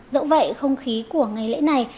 dẫu vậy không khí của ngày lễ này